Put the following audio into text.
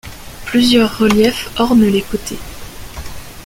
Plusieurs reliefs ornent les côtés.